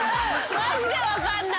マジで分かんない。